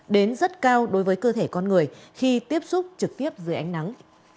đến rất cao đối với cơ thể con người khi tiếp xúc trực tiếp dưới ánh nắng